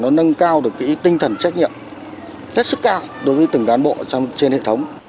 nó nâng cao được tinh thần trách nhiệm rất sức cao đối với từng đàn bộ trên hệ thống